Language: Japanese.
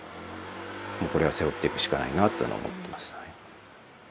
これは背負っていくしかないなっていうのは思っています。